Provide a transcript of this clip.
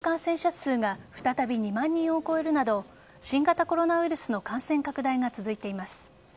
上海では一日の市中感染者数が再び２万人を超えるなど新型コロナウイルスの感染拡大が続いています。